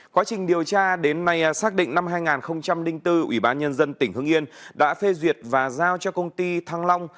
quá trình điều tra đến nay xác định năm hai nghìn bốn ủy ban nhân dân tỉnh hưng yên đã phê duyệt và giao cho công ty thăng long